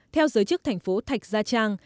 theo giới chức thành phố thạch gia trang